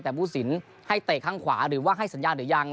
แต่ผู้สินให้เตะข้างขวาหรือว่าให้สัญญาณหรือยัง